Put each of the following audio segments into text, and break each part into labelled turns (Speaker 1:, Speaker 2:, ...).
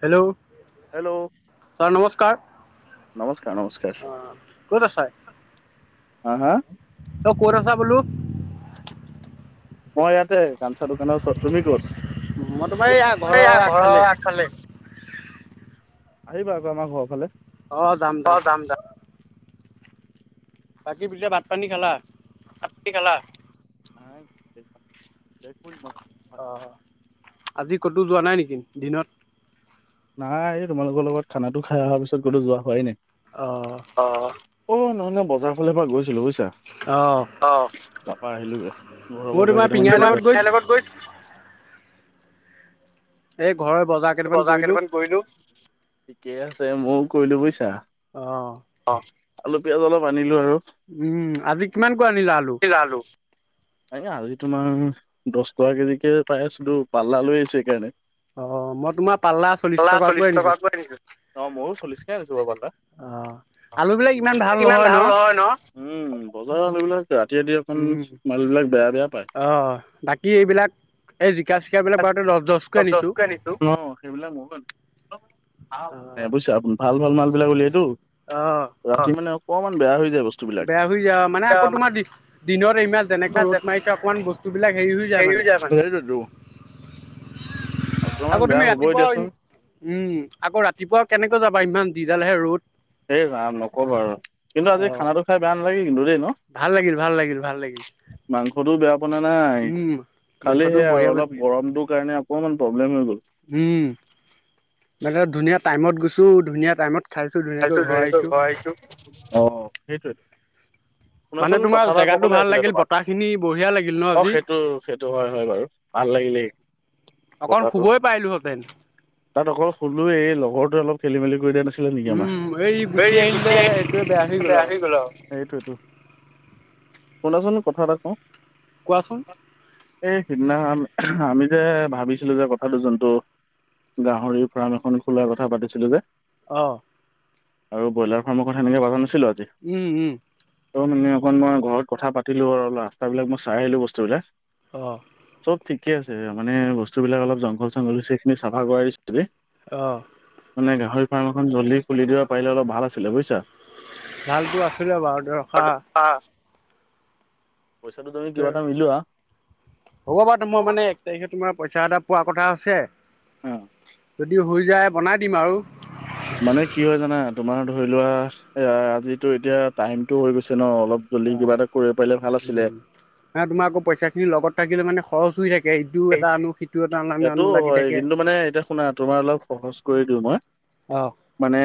Speaker 1: Hello.
Speaker 2: Hello. নমস্কাৰ নমস্কাৰ। হা, হা?
Speaker 1: তই ক'ত আছা বোলো?
Speaker 2: মই ইয়াতে কাঞ্চা দোকানৰ ওচৰত। তুমি ক'ত? মই এয়া ঘৰৰ আগ ফালে। আহিবা আকৌ আমাৰ ঘৰৰফালে।
Speaker 1: অ' যাম যাম। বাকী পিছে ভাত পানী খালা?
Speaker 2: ভাত পানী খালা?
Speaker 1: অ' আজি ক'তো যোৱা নাই নেকি দিনত?
Speaker 2: নাই, এ, তোমালোকৰ লগত খানাটো খাই অহাৰ পিছত ক'তো যোৱা হোৱা নাই।
Speaker 1: অ'।
Speaker 2: অ'। অ' নহয় নহয় বজাৰৰ ফালৰপৰা গৈছিলোঁ বুজিছা?
Speaker 1: অ'।
Speaker 2: অ' তাৰপা আহিলো গৈ, ঘৰৰ বজাৰ যাই কেইটামানত গৈ [unintelligible]
Speaker 1: এই ঘৰৰ ব
Speaker 2: বজাৰ কেইটামান কৰিলোঁ। ঠিকে আছে, ময়ো কৰিলোঁ বুজিছা?
Speaker 1: অ'।
Speaker 2: অ' আলু, পিয়াজ অলপ আনিলোঁ আৰু।
Speaker 1: উম, আজি কিমানকো আনিলা আলু?
Speaker 2: কি আলু? এই আজি তোমাৰ দহ টকা কেজিকে পাই আছোঁ, পাল্লা লৈ আহিছোঁ সেইকাৰণে। পাল্লা চল্লিশ টকাক লৈ আনিছোঁ। ন' ময়ো চল্লিশ কে আনিছোঁ বৰ পাল্লা। ইমান ভাল নহয় ন'? উম, বজাৰ এইবিলাক ৰাতিয়ে দিয়ে। উম, মানুহবিলাক বেয়া বেয়া পায়।
Speaker 1: কি এইবিলাক এই জিকা চিকাবিলাক বাৰুতে দহ দছকৈ আনিছোঁ।
Speaker 2: অ' সেইবিলাক ময়ো আনিছোঁ, বুজিছা? আপুনি ভাল ভাল মালবিলাক উলিয়াইতো।
Speaker 1: অ'।
Speaker 2: মানে অকমান বেয়া হৈ যায় বস্তু
Speaker 1: বেয়া হৈ যা আৰু মানে আকৌ তোমাৰ দিনত এ, ইমান যেনেকে ৰ'দ মাৰিছে অকণমান বস্তু‌ বস্তুবিলাক হেৰি হৈ যায় মানে। আকৌ তুমি ৰাতিপুৱা উম, আকৌ ৰাতিপুৱা কেনেকৈ যাবা ইমান যি ডালহে ৰ'দ।
Speaker 2: এই ৰাম নক'ব আৰু কিন্তু আজি খানাটো খাই বেয়া নালাগে কিন্তু দেই ন'?
Speaker 1: ভাল লাগিল, ভাল লাগিল, ভাল লাগিল।
Speaker 2: মাংসটো বেয়া পোৱা নাই, খালি হে আৰু অলপ গৰমটোৰ কাৰণে অকমান প্ৰব্লেম হৈ গ'ল।
Speaker 1: উম, বাকি ধুনীয়া টাইমত গৈছোঁ, ধুনীয়া টাইমত
Speaker 2: তাৰপিছত ধুনীয়াকে ঘৰৰ আহিছোঁ। অ' সেইটোৱে। শুনাচোন কথা এটা ক'বলৈ আছিলোঁ তোমাক, অ' সেইটো সেইটো, হয় হয় বাৰু। ভাল লাগিলে।
Speaker 1: অকণ শুবই পাৰিলোহেঁতেন।
Speaker 2: তাত অকল শুলোৱেই এই লগৰ তোৱে অলপ খেলি মেলি কৰি দিয়া নাছিল।
Speaker 1: উম, এই গুছি আহিলে এইটোৱে বেয়া হৈ গ'ল আৰু।
Speaker 2: [unintelligible] শুনাচোন কথা এটা কওঁ।
Speaker 1: কোৱাচোন?
Speaker 2: এই সিদিনা আমি যে ভাবিছিলোঁ যে কথাটো যোনটো! গাহৰি ফাৰ্ম এখন খোলাৰ কথা পাতিছিলো যে!
Speaker 1: অ'।
Speaker 2: আৰু ব্ৰলাৰ ফ্ৰাৰ্মকথা সেনেকে পাতা নাছিলোঁ আজি?
Speaker 1: উম, উম।
Speaker 2: ত' মানে অকন মই ঘৰত কথা পাতিলোঁ আৰু ৰাস্তাবিলাক মই চাই আহিলোঁ বস্তুবিলাক
Speaker 1: অহ।
Speaker 2: চব ঠিকে আছে, মানে বস্তুবিলাক অলপ জংঘল চংঘলেইখিনি চাফা কৰি দিছে [unintelligible]
Speaker 1: অ'।
Speaker 2: মানে গাহৰি ফ্ৰাৰ্ম এখন জল্দি খুলি দিব পাৰিলে অলপ ভাল আছিলে বুইছা।
Speaker 1: ভালটো আছিলে বাৰু, ৰখা
Speaker 2: পইচাটো তুমি কিবা এটা মিলোৱা!
Speaker 1: হ'ব বাৰু তোমাৰ মানে এক তাৰিখে তোমাৰ পইচা এটা পোৱা কথা আছে।
Speaker 2: অ'।
Speaker 1: যদি হৈ যায় বনাই দিম আৰু।
Speaker 2: মানে কি হয়, জানা তোমাৰ ধৰি লোৱা এ, আজিটো এতিয়া টাইমটো হৈ গৈছে ন, অলপ জল্দি কিবা এটা কৰিব পাৰিলে ভাল আছিলে।
Speaker 1: নাই, তোমাৰ আকৌ পইচাখিনি লগত থাকিলে মানে খৰচ হৈ থাকে। এতিয়া ইটো এটা আনো, সিটো এটা আনো লাগি থাকে। অ'।
Speaker 2: মানে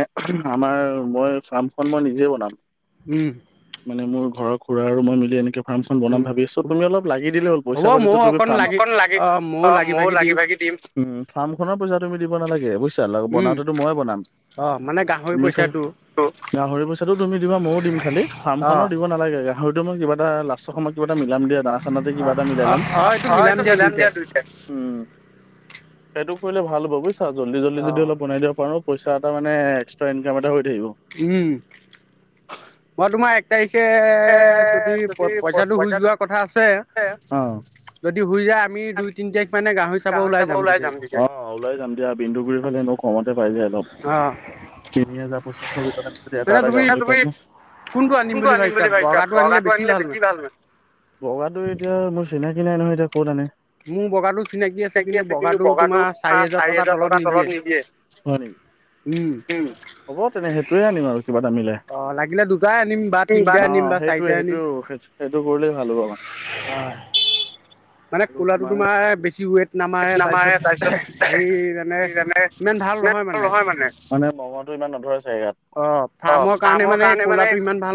Speaker 2: আমাৰ মই ফ্ৰামখন মই নিজে বনাম।
Speaker 1: উম।
Speaker 2: মানে মোৰ ঘৰ খুৰা আৰু মই মিলি এনেক ফ্ৰামখন বনাম ভাবি এছীয়, তুমি অলপ লাগি দিলে হ'ল। পইচাপাতি তুমি ফ্ৰামত অকন লাগি, অ', মইয়ো লাগি ভাগি দিম। উম, ফ্ৰামখনৰ পইচা তুমি দিব নালাগে বুইছা [unintelligible] বনাওতেতো মইয়ে বনাম।
Speaker 1: অ', মানে গাহৰি
Speaker 2: তুমি খালি, গাহৰি পইচাটো তুমি দিবা, মইও দিম খালি। ফ্ৰামখনৰ দিব না লাগে, গাহৰিতটো মই কিবা এটা লাষ্টৰ সময়ত কিবা এটা মিলাম দিয়া দানা চানাতে কিবা এটা মিলাই ল'ম। উম, সেইটো কৰিলে ভাল হ'ব বুজিছা জল্দি, জল্দি যদি অলপ বনাই দিব পাৰোঁ পইচা এটা মানে এক্সট্ৰা ইনকাম এটা হৈ থাকিব।
Speaker 1: উম। মই তোমাৰ এক তাৰিখে, যদি পইচাটো হুই যোৱাৰ কথা আছে। যদি হুই যায়, আমি দুই তিনি তাৰিখ মানে গাহৰি
Speaker 2: গাহৰি চাব ওলাই যাম অ', ওলাই যাম দিয়া বিন্দুগুৰি ফালে এনেও কমতে পায় দিয়া অলপ। তিনি হাজাৰ পঁচিশ ভিতৰত আমি [unintelligible] মানে তুমি কোনটো আনিম বুলি ভাবিছা? বগাটো আনিলে বেছি ভাল হয়। বগাটো এতিয়া মোৰ চিনাকি নাই নহয় এতিয়া ক'ত আনে।
Speaker 1: উম, বগাটো চিনাকী আছে কিন্তু বগাটো তোমাৰ চাৰি হোজাৰ টকাৰ তলত নিদিয়ে। উম।
Speaker 2: হ'ব তেনে সেইটোয়ে আনিম আৰু কিবা এটা মিলাই। অ', সেইটোয়ে, সেইটো, সেই-সেইটো কৰিলেই ভাল হ'ব অকন।
Speaker 1: [inaudible]
Speaker 2: আৰু তোমাৰ, [unintelligible] তাৰপিছত কি জানে! ইমান নহয় মানে। মানে মঙহটো ইমান নধৰে চাগে গাত। অ', ফাৰ্মৰ কাৰণে মানে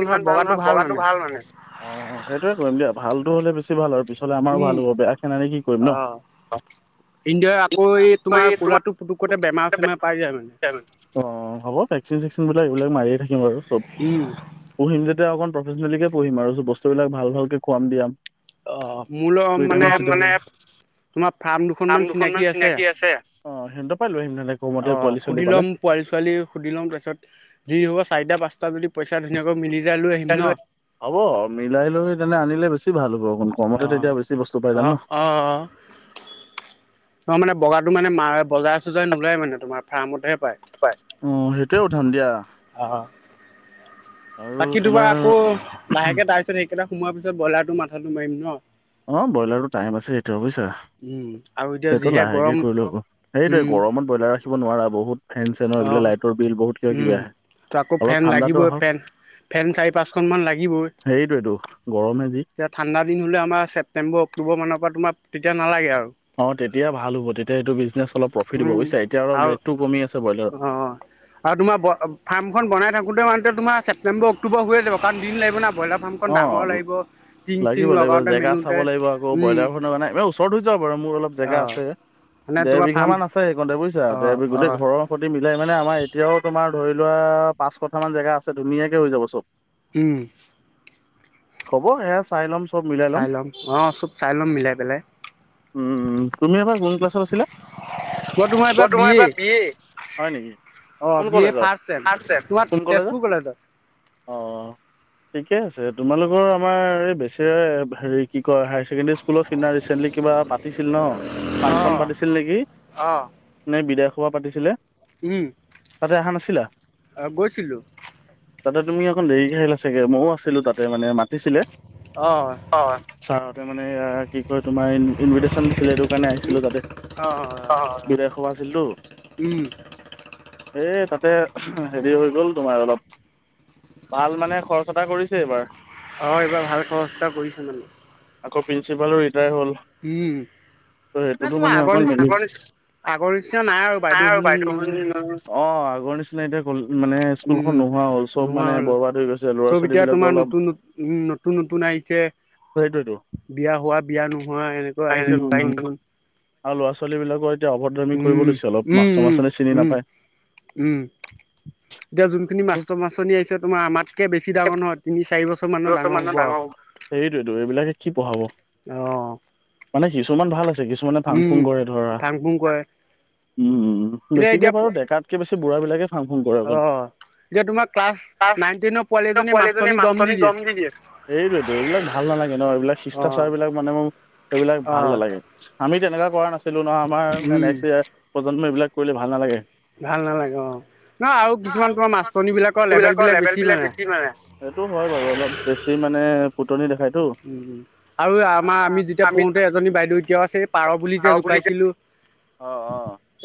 Speaker 2: ইমান ভাল নহয় বগাটো ভাল মানে। অ', অ', সেইটয়ে কৰিম দিয় ভালো হলে বেছি ভাল আৰু পিছলে আমাৰো ভাল হ'ব। বেয়া খেন আনি কি কৰিম ন।
Speaker 1: ইডিয়াৰ আকৌ তোমাৰ ক'লাটো পুটুকতে বেমাৰ চেমাৰ পাই যায় মানে।
Speaker 2: অ', হ'ব ভেকচিন চেকচিন বিলাক এইবিলাক মাৰিয়ে থাকিম আৰু চব। পুহিম যেতিয়া অকন প্ৰফেচনেলিকে পোহিম আৰু বস্তু বিলাক ভাল ভালকে খুৱাম দিয়াম।
Speaker 1: অ', মোল মানে তোমাৰ ফাৰ্ম দুখন মান চিনাকি আছে।
Speaker 2: অ', সিহতৰ পাই আহিম নহলে
Speaker 1: অ', সুধি লম পোৱালি ছোৱালী সুধি ল'ম তাৰ পিছত যি হ'ব চাৰিটা পাঁচটা যদি পইচা ধুনীয়াকৈ মিলি যাই লৈ আহিম ন?
Speaker 2: হ'ব মিলাই লৈ তেনে আনিলে বেছি ভাল হ'ব অকণ কমতে তেতিয়া বেছি বস্তু পাই যাম ন।
Speaker 1: অঁ'। অঁ', মানে বগাটো মানে [unintelligible] বজাৰে চজাৰে নোলায় মানে তোমাৰ ফাৰ্মতহে পায়।
Speaker 2: অ', সেইটোয়ে উঠাম দিয়া।
Speaker 1: অ', বাকী দুবাৰ আকৌ লাহেকে তাৰ পিছত এইকেইটা সোমোৱাৰ পিছত ব্ৰইলাৰটো মাথাটো মাৰিম ন?
Speaker 2: অ', ব্ৰইলাৰটো টাইম আছে এতিয়াও বুইছা সেইটো লাহেকে কৰিলেও হ'ব সেইটোৱে গৰম ব্ৰইলাৰ ৰাখিব নোৱাৰা বহুত ফেন চেনৰ এইবিলাক লাইটৰ বিল বহুত কিবা কিবি আহে অলপ ঠাণ্ডাতো আহক। সেইটোৱেতো গৰমহে যি।
Speaker 1: এতিয়া ঠাণ্ডা দিন হ'লে আমাৰ ছেপ্টেম্বৰ অক্টোবৰ মানৰ পৰা তোমাৰ তেতিয়া নালাগে আৰু।
Speaker 2: অ', তেতিয়া ভাল হ'ব তেতিয়া এইটো বিজনেছ অলপ প্ৰফিট হ'ব বুইছা এতিয়া অলপ ৰেটটো কমি আছে ব্ৰইলাৰৰ।
Speaker 1: অঁ'। আৰু তোমাৰ ব ফাৰ্মখন বনাই থাকোতে মানে তোমাৰ ছেপ্টেম্বৰ অ্ক্টোবৰ হৈয়ে যাব কাৰণ দিন লাগিব না ব্ৰইলাৰ
Speaker 2: অ', লাগিব লাগিব জেগা চাব লাগিব আকৌ ব্ৰইলাৰখনৰ কাৰণে এই ওচৰতো যাব পাৰোঁ মোৰ অলপ জেগা আছে দেৰ বিঘা মান আছে সেইকনতে বুইছা দেৰ [unintelligible] গোটেই ঘৰৰ [unintelligible] মানে আমাৰ এতিয়াও তোমাৰ ধৰি লোৱা পাঁচ কঠা মান জেগা আছে ধুনীয়াকে হৈ যাব চব।
Speaker 1: উম।
Speaker 2: হ'ব সেয়া চাই ল'ম।
Speaker 1: চাই ল'ম অঁ', চব চাই ল'ম মিলাই পেলায়।
Speaker 2: উম, তুমি এবাৰ কোন ক্লাছত আছিলা? মই তোমাৰ এবাৰ বি এ হয় নেকি? কোন কলেজৰ [unintelligible] কোন কলেজৰ অ' ঠিকে আছে তোমালোকৰ আমাৰ এই বেছেৰীয়াৰে হেৰি কি কয় হায়াৰ ছেকেণ্ডেৰী স্কুলৰ সিদিনা ৰিচেণ্টলি কিবা পাতিছিল ন ফাংচন পাতিছিল নেকি?
Speaker 1: অ'।
Speaker 2: নে বিদায়সভা পাতিছিলে তাতে আহা নাছিলা? তাতে তুমি অকণ দেৰিকে আহিলা চাগে মইয়ো আছিলো তাতে মানে মাতিছিলে। অ', ছাৰহঁতে মানে কি কয় তোমাৰ ইনভিটেশ্যন দিছিলে সেইটো কাৰণে আহিছিলোঁ তাতে। অ', বিদায় সভা আছিলতো। এই তাতে হেৰি হৈ গ'ল তোমাৰ অলপ ভাল মানে খৰচ এটা কৰিছে এইবাৰ।
Speaker 1: অ', এইবাৰ ভাল খৰচ এটা কৰিছে মানে।
Speaker 2: আকৌ প্ৰিন্ঞ্চিপালো ৰিটায়াৰ হ'ল।
Speaker 1: উম।
Speaker 2: ত সেইটোতো মানে [unintelligible] বাইদেউ [unintelligible] অ', আগৰ নিচিনা এতিয়া মানে স্কুলখন নোহোৱা হ'ল চব মানে বৰবাদ হৈ গৈছে।
Speaker 1: চব এতিয়া তোমাৰ নতুন নতুন নতুন আহিছে।
Speaker 2: সেইটোয়েতো।
Speaker 1: বিয়া হোৱা বিয়া নোহোৱা এনেকুৱা আহিছে নতুন, নতুন
Speaker 2: আৰু ল'ৰা ছোৱালী বিলাকৰ এতিয়া অভদ্ৰামি কৰিব লৈছে অলপ মাষ্টৰ মাষ্টৰণী চিনি নাপায়।
Speaker 1: উম, এতিয়া যোনখিনি মাষ্টৰ মাষ্টৰনী আহিছে তোমাৰ আমাতকৈ বেছি ডাঙৰ নহয়। তিনি চাৰি বছৰমানৰ ডাঙৰ হ'ব আৰু।
Speaker 2: সেইটোৱেতো এইবিলাকে কি পঢ়াব।
Speaker 1: অ'
Speaker 2: মানে কিছুমান ভাল আছে, কিছুমানে ফাং ফুং কৰে ধৰা। উম, বেছিকে বাৰু ডেকাতকে বেছি বুঢ়া বিলাকে ফাং ফূং অকন ফাষ্ট পোৱালিজনীয়ে মাচ মাষ্টৰনীক দিম দি দিয়ে, এইটোৱে টো এইবিলাক ভাল নালাগে ন এইবিলাক শিষ্টাচাৰ বিলাক মানে মোৰ এইবিলাক ভাল নালাগে। আমি তেনেকুৱা কৰা নাছিলোঁ নহয়। আমাৰ মানে নেক্সট ইয়াৰ প্ৰজন্ম এইবিলাক কৰিলে ভাল নালাগে।
Speaker 1: ভাল নালাগে অ' ন আৰু কিছুমান তোমাৰ মাষ্টনী বিলাকৰ লেবেল বিলাক বেছি মানে।
Speaker 2: [unintelligible] সিটো হয় বাৰু অলপ বেছি মানে। ফুটোনি দেখাইতো।
Speaker 1: উম, আৰু আমাৰ আমি যেতিয়া পঢ়োতে এজনী বাইদেউ এতিয়াও আছে পাৰ বুলি যে জোকাইছিলো।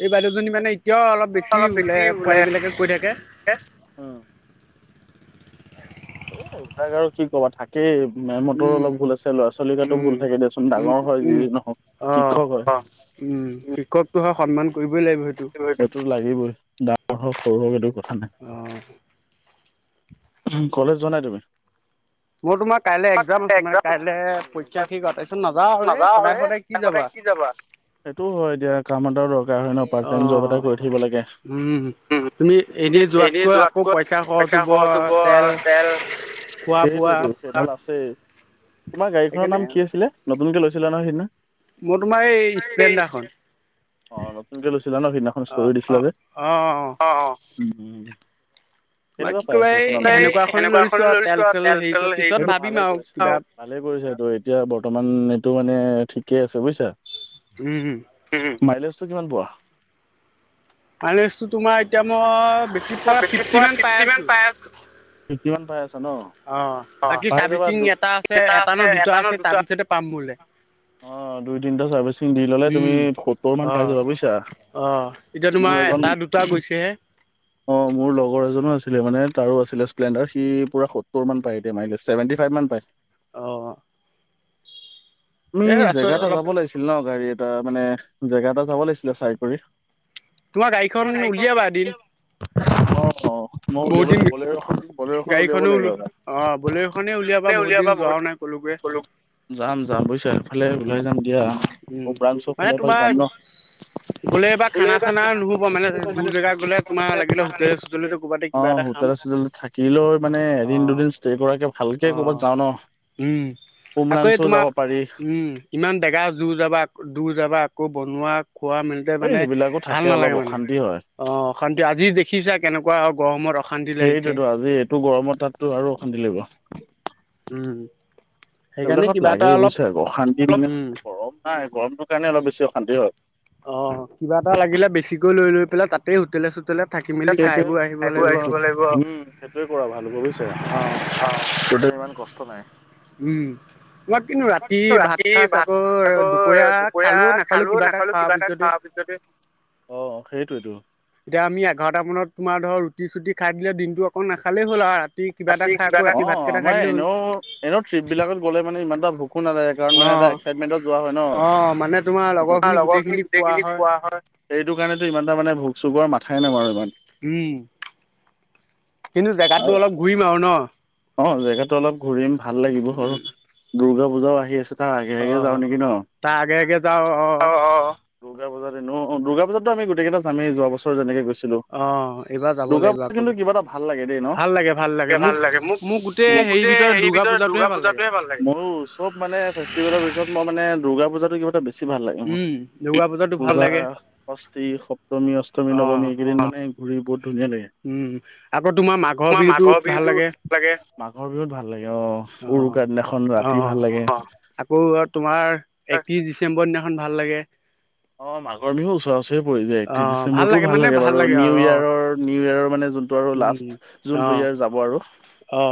Speaker 1: এই বাইদেউজনী মানে এতিয়াও অলপ বেছি বোলে পোৱোলীবিলাকে কৈ থাকে
Speaker 2: [unintelligible] এ এবিলাক আৰু কি কবা থাকে সেইয়ে মে'ম হতৰো অলপ ভুল আছে। ল'ৰা ছোৱালীৰ গাতো ভুল থাকে দিয়াচোন ডাঙৰ হয় যি নহওঁক। শিক্ষক হয় অ'
Speaker 1: উম, শিক্ষকতটো হয় সন্মান কৰিবই লাগিব সেইটো।
Speaker 2: এইটো লাগিবই ডাঙৰ হওঁক, সৰু হওঁক, এইটো কথা নাই।
Speaker 1: অ'
Speaker 2: উম, কলেজ যোৱা নাই তুমি।
Speaker 1: মই তোমাৰ কাইলৈ এক্সাম আছে, মানে কাইলৈ পৰীক্ষা শেষ হয়, তাৰপিছত নাযাওঁ আৰু এই সদায় সদায় কি যাবা।
Speaker 2: কি যাবা। সেইটোও হয়, এতিয়া কাম এটা দৰকাৰ হয় ন পাৰ্ট টাইম জব এটা কৰি থাকিব লাগে। এনেই যোৱাতকৈ বেকাৰ খৰচ হ'ব। অ' তেল সেইটোৱে টো। আছে তোমাৰ গাড়ীখনৰ নাম কি আছিলে? নতুনকে লৈছিলা ন সেইদিনা।
Speaker 1: মই তোমাৰ এই স্পেলানণ্ডাৰখন।
Speaker 2: অ' নতুনকে লৈছিলা ন সিদিনাখন ষ্টৰি দিছিলা যে অ' উম।
Speaker 1: বাকী কবাই
Speaker 2: সেনেকুৱা এখনে লৈছোঁ আৰু তেল তেল হেৰি কৰি সেইটো ভালে কৰিছা। ভালে কৰিছা তই এতিয়া বৰ্তমান এইটো মানে ঠিকেই আছে বুজিছা।
Speaker 1: হ'ম, উম।
Speaker 2: উম, মাইলেজ টো কিমান পোৱা।
Speaker 1: মাইলেজ টো তোমাৰ এতিয়া মই বেছি পোৱা ফিফটি মান পাই আছোঁ।
Speaker 2: ফিফটি মান পাই আছা ন।
Speaker 1: অ' বাকী চাৰ্ভিচিং এটা আছে এটা ন দুটা আছে, তাৰপিছতহে পাম বোলে।
Speaker 2: অ' দুই তিনিটা চাৰ্ভিচিং দি ল'লে তুমি সত্তৰ মান পাই যাবা বুজিছা।
Speaker 1: অ' এতিয়া তোমাৰ এটা, দুটা গৈছেহে।
Speaker 2: অ' মোৰ লগৰ এজনো আছিলে মানে তাৰো আছিলে। স্পেলেণ্ডাৰ সি পুৰা সত্তৰ মান পায় এতিয়া মাইলেজ চেভেণ্টি ফাইভ মান পায়।
Speaker 1: অ'
Speaker 2: আমি জেগা এটা যাব লাগিছিল ন গাড়ী এটা মানে জেগা এটা যাব লাগিছিলে চাই কৰি। মই গাড়ীখন আহ মই উলিয়াবলৈ নকলে ৰহ।
Speaker 1: গাড়ীখনো ওলোৱা অ' বোলেৰোখনে উলিয়াবা বহুত দিন যোৱাও নাই আলোকে।
Speaker 2: যাম যাম বুজিচা এফালে উলাই যাম দিয়া প্ৰঞ্চৰ ফালে পৰা যাম ন। [unintelligible] অ' হোটেল আছিলো থাকি লৈ মানে এদিন দুদিন ষ্টে কৰাকে ভালকে কৰ'বাত যাও ন। উমৰাঞ্চো যাব পাৰি।
Speaker 1: উম, ইমান বেগা জৰ যাবা দূৰ যাবা আকৌ বনোৱা খোৱা মেলা মানে ভাল নালাগে মানে অ' অশান্তি আজি দেখিছা কেনেকুৱা গৰমত
Speaker 2: সেইৰিটোতো আজি এইটো গৰমত তাততো আৰু অশান্তি লাগিব।
Speaker 1: উম।
Speaker 2: সেইবিলাকত লাগেই বুজা অশান্তি মানে গৰম নাই গৰমটোৰ কাৰণে অলপ বেছি অশান্তি হয়।
Speaker 1: অ' কিবা এটা লাগিলে বেছিকৈ লৈ লৈ পেলাই তাতেই হোটেলে চতেলে থাকিম।
Speaker 2: আ আহিব লাগিব। এইটোৱে কৰা ভাল হ'ব বুজিছা তাতে ইমান কষ্ট নাই।
Speaker 1: উম।
Speaker 2: ৰাতি ভাত ছাট আকৌ দুপৰীয়া খালো নাখালো কিবা এটা খোৱাৰ পিছতহে অ' সেইটোয়েটো।
Speaker 1: এতিয়া আমি এঘাৰটা মানত তোমাৰ ধৰক ৰুটি চুটি খাই দিলে দিনটো অকণ নাখালেই হ'ল আৰু।
Speaker 2: অশি কিবা এটা অ' আমাৰ এনেও এনেও ট্ৰিপ বিলাকত গ'লে মানে ইমান এটা ভোক নালাগে কাৰণ মানে অক্সাইডমেণ্টত যোৱা হয় ন লগৰ খিনি গোটেইখিনি খোৱা হয়। এইেটো কাৰণেতো ইমানটা মানে ভোক চুকৰ মাথাই নামৰো ইমান।
Speaker 1: উম, কিন্তু জেগাটো অলপ ঘূৰিম আৰু ন।
Speaker 2: অ' জেগাতো অলপ ঘূৰিম ভাল লাগিব দুৰ্গা পূজাও আহি আছে। তাৰ আগে আগে যাওঁ নেকি ন অ', অ', অ'। দুৰ্গা পূজা এনেও দুৰ্গা পূজাতটো আমি গোটেইকেইটা যামেই যোৱা বছৰ পূজাত এনেকৈ গৈছিলোঁ, দুৰ্গা পূজাটো কিবা এটা ভাল লাগে দে ন, কিয় ভাল লাগে মোক মোৰ গোটেই হেৰিৰ ভিতৰত দুৰ্গা পুজাটোহে ভাল লাগে বহু, মোৰো চব মানে ফেষ্টিভেলৰ ভিতৰত মোৰ মানে দুৰ্গা পূজাটো কিবা বেছি ভাল লাগে মোৰ পূজা ষষ্ঠী, সপ্তমী, অষ্টমী, নৱমী এইকেইদিন মানে ঘূৰি বহুত ধুনীয়া লাগে।
Speaker 1: উম, আকৌ তোমাৰ মাঘৰ বিহুটো ভাল লাগে।
Speaker 2: লাগে মাঘৰ বিহুত ভাল লাগে অ উৰুকাৰ দিনাখন ৰাতি ভাল লাগে।
Speaker 1: আকৌ তোমাৰ একত্ৰিশ ডিচেম্বৰ দিনাখন ভাল লাগে।
Speaker 2: অ' মঘৰ বিহু ওচৰা ওচৰি পৰি যায় একত্ৰিশ ডিচেম্বৰটো ভাল লাগে বাৰু নিউ ইয়েৰ নিউ ইয়েৰ মানে যোন আৰু লাষ্ট জোনটো ইয়েৰ যাব আৰু।
Speaker 1: অ'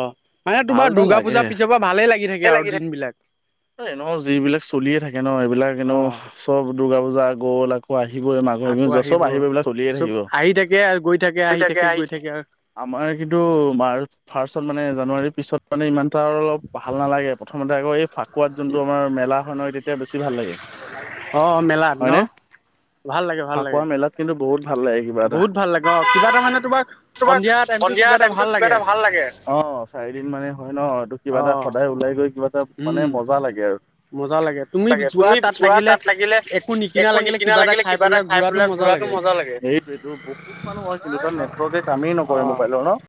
Speaker 1: মানে তোমাৰ দুৰ্গা পূজাৰ পিছৰ পৰা ভালেই লাগি থাকে আৰু দিন বিলাক।
Speaker 2: এনেও যিবিলাক চলিয়ে থাকে ন এইবিলাক এনেও চব দুূৰ্গা পূজা গল আক অ' আহিব মাঘৰ বিহু চব আহিব এইবিলাক চলিয়েই থাকিব। আমাৰ কিন্তু মাৰ্চ ফাৰ্ষ্টত মানে জানুৱাৰীৰ পিছত মানে ইমান এটা আৰু ভাল নালাগে প্ৰথমতে আহিব এই ফাৰ্ষট কোৱাত যোনটো আমাৰ মেলাখন হয় তেতিয়া বেছি ভাল লাগে।
Speaker 1: অ' মেলাত ন ভাল লাগে ভাল।
Speaker 2: খোৱা মেলাত কিন্তু বহুত ভাল লাগে। কিবা এটা তোমাক সন্ধিয়া টাইমটোত কিবা এটা ভাল লাগে অ'। চাৰি দিন মানে হয় ন এইটো কিবা এটা সদায় ওলাই গৈ কিবা এটা মানে মজা লাগে আৰু। লাগে তুমি যোৱা তাত লাগিলে একো নিকিনা লাগিলে কিবা এটা খাই পেলাই ঘূৰাটো মজা লাগে সেই এইটো বহুত মানুহ হয় কিন্তু তাত নেটৱৰ্কে কামেই নকৰে মোবাইলৰ ন।